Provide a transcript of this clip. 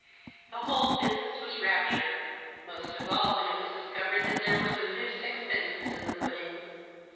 The whole business was rapture, most of all when it was discovered that there were some new sixpences in the })udding.